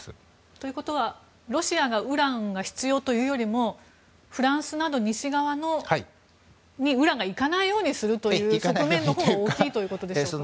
ということは、ロシアがウランが必要というよりもフランスなど西側にウランがいかないようにするという側面のほうが大きいということですか。